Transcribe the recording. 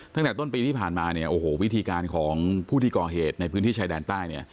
ตั้งแต่ต้นปีที่ผ่านมาวิธีการของผู้ที่ก่อเหตุในพื้นที่ชายด้านใต้